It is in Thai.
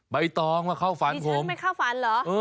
ใบตองมาเข้าฝันชีวิตชื่อไม่เข้าฝันเหรอ